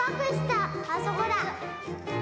あそこだ。